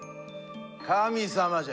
神様じゃ。